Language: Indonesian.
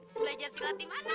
belajar silat di mana